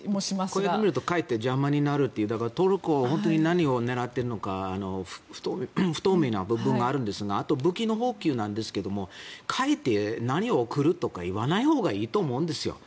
こうやって見るとかえって邪魔になるというかだからトルコが本当に何を狙っているのか不透明な部分があるんですがあと、武器の補給なんですがかえって何を送るとか言わないほうがいいと思うんですよ。